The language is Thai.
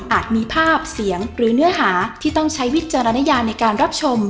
มีภาพเสียงหรือเนื้อหาที่ต้องใช้วิจารณญาในการรับชม